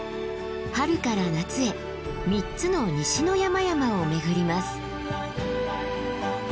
春から夏へ３つの西の山々を巡ります。